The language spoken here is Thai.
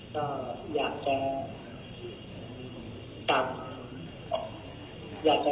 ก็อยากจะตามอยากจะ